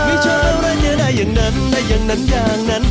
ไม่ใช่อะไรจะได้อย่างนั้นได้อย่างนั้นอย่างนั้น